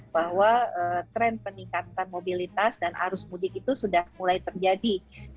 bahwa tren peningkatan mobilitas dan arus mudik itu sudah mulai terjadi